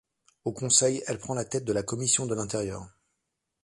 Au Conseil, elle prend la tête de la commission de l'Intérieur.